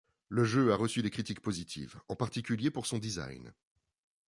Le jeu a reçu des critiques positives, en particulier pour son design.